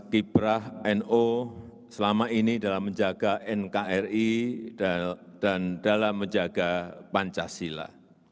kiprah no selama ini dalam menjaga nkri dan dalam menjaga pancasila